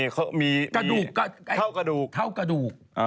เท่ากระดูก